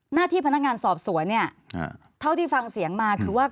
หน้าที่พนักงานสอบสวนเนี่ยเท่าที่ฟังเสียงมาคือว่า